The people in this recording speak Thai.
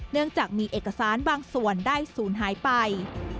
เนื่องจากมีเอกสารบางส่วนได้ศูนย์หายไป